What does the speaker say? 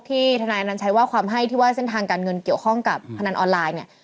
ทนายอนัญชัยว่าความให้ที่ว่าเส้นทางการเงินเกี่ยวข้องกับพนันออนไลน์เนี่ย